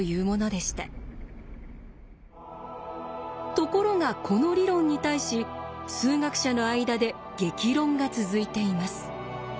ところがこの理論に対し数学者の間で激論が続いています。